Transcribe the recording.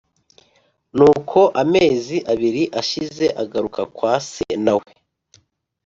Nuko amezi abiri ashize agaruka kwa se na we